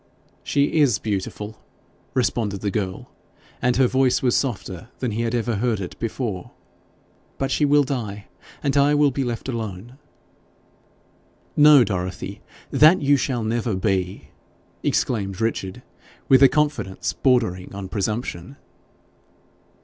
'She IS beautiful,' responded the girl, and her voice was softer than he had ever heard it before; 'but she will die, and I shall be left alone.' 'No, Dorothy! that you shall never be,' exclaimed Richard, with a confidence bordering on presumption.